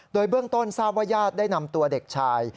โดยเบื้องต้นทราบว่าญาติได้นำตัวเด็กชาย